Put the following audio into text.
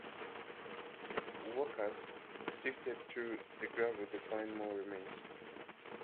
Workers sifted through the gravel to find more remains.